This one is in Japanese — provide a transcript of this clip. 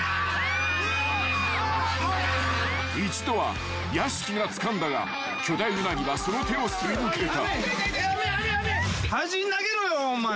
［一度は屋敷がつかんだが巨大ウナギはその手をすり抜けた］